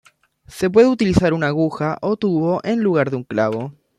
Se puede utilizar una aguja o tubo en lugar de un clavo.